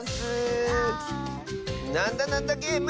「なんだなんだゲーム」